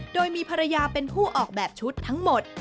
โดยมีภรรยาเป็นผู้ออกแบบชุดทั้งหมด